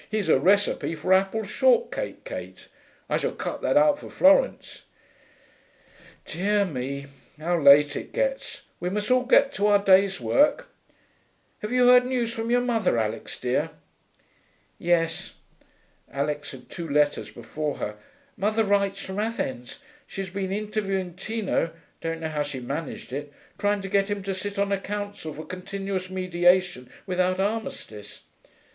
Here's a recipe for apple shortcake, Kate: I shall cut that out for Florence.... Dear me, how late it gets! We must all get to our day's work.... Have you heard news from your mother, Alix dear?' 'Yes.' Alix had two letters before her. 'Mother writes from Athens. She's been interviewing Tino (don't know how she managed it); trying to get him to sit on a council for Continuous Mediation without Armistice.